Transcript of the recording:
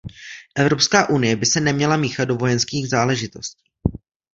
Evropská unie by se neměla míchat do vojenských záležitostí.